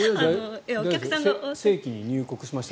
正規に入国しました？